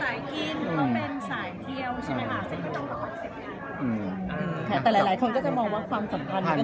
จริงวันนี้เรามาทำงานด้วยนะ